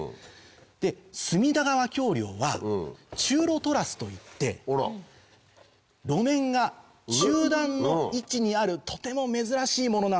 で隅田川橋梁は中路トラスといって路面が中段の位置にあるとても珍しいものなんです。